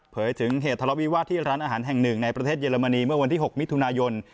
ถึงเหตุทะเลาวิวาสที่ร้านอาหารแห่งหนึ่งในประเทศเยอรมนีเมื่อวันที่๖มิถุนายน